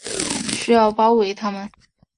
需要包围他们